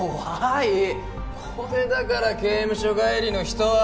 これだから刑務所帰りの人は。